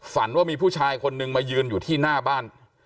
ฝันว่ามีผู้ชายคนนึงมายืนอยู่ที่หน้าบ้าน